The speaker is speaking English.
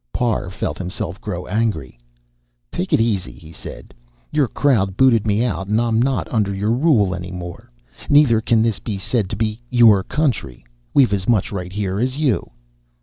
Parr felt himself grow angry. "Take it easy," he said. "Your crowd booted me out, and I'm not under your rule any more. Neither can this be said to be your country. We've as much right here as you."